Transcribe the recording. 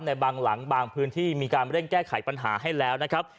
ในบางหลังบางพื้นที่มีการเร่งแก้ไขปัญหาให้แล้วนะครับ